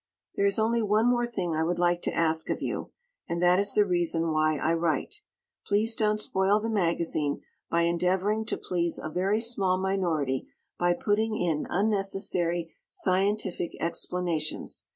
There is only one more thing I would like to ask of you, and that is the reason why I write. Please don't spoil the magazine by endeavoring to please a very small minority by putting in unnecessary scientific explanations.